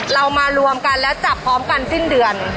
เรามารวมกันและจับพร้อมกันสิ้นเดือน